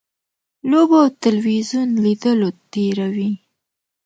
لوبو او تلویزیون لیدلو تېروي.